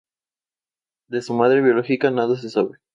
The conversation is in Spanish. De su madre biológica nada se sabe.